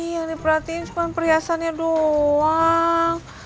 yang diperhatiin cuma perhiasannya doang